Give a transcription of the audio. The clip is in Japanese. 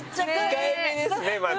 控えめですねまた。